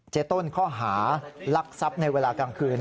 เจ๊ต้นเขาหาลักทรัพย์ในเวลากลางคืน